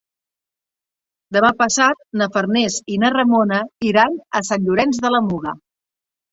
Demà passat na Farners i na Ramona iran a Sant Llorenç de la Muga.